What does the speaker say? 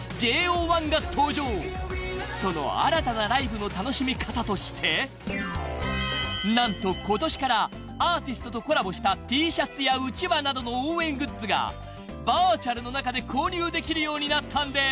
［その新たなライブの楽しみ方として何と今年からアーティストとコラボしたＴシャツやうちわなどの応援グッズがバーチャルの中で購入できるようになったんです］